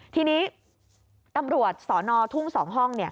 ทีนี้ตำรวจสนทุ่ง๒ห้อง